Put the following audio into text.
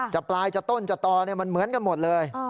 จากปลายจากต้นจากต่อเนี่ยมันเหมือนกันหมดเลย